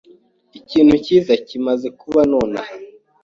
Ikintu cyiza kimaze kuba nonaha.